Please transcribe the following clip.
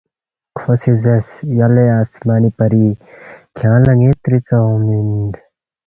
کھو سی زیرس، ”یلے آسمان پری کھیانگ لہ ن٘ی تری ژا اونگمی مین